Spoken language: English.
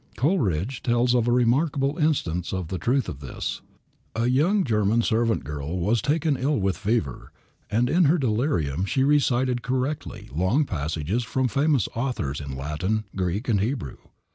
Coleridge tells of a remarkable instance of the truth of this. A young German servant girl was taken ill with a fever, and in her delirium she recited correctly long passages from famous authors in Latin, Greek and Hebrew.